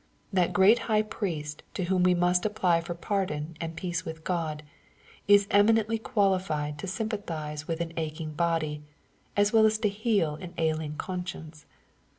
That great high priest to whom we must apply for pardon and peace with God, is eminently qualified to sympathize with an aching body, as well as to heal an ailing con science.